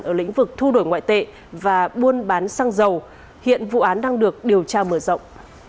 ở lĩnh vực thu đổi ngoại tệ và buôn bán xăng dầu hiện vụ án đang được điều tra mở rộng